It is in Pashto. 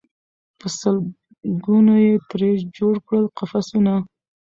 په سل ګونو یې ترې جوړ کړل قفسونه